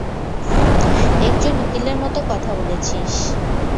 একজন উকিলের মতো কথা বলেছিস।